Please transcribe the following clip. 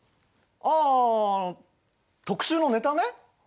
ああ特集のネタね。